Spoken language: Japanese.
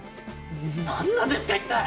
何なんですか一体！